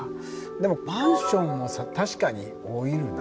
でもマンションも確かに老いるな。